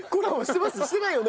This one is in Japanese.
してないよね。